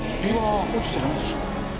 落ちてないでしょ？